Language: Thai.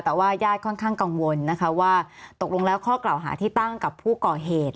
แต่ว่าญาติค่อนข้างกังวลนะคะว่าตกลงแล้วข้อกล่าวหาที่ตั้งกับผู้ก่อเหตุ